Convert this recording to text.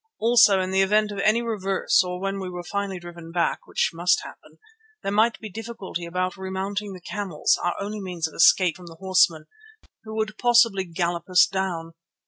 Also in the event of any reverse or when we were finally driven back, which must happen, there might be difficulty about remounting the camels, our only means of escape from the horsemen who would possibly gallop us down.